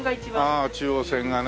ああ中央線がね。